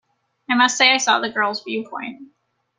I must say I saw the girl's viewpoint.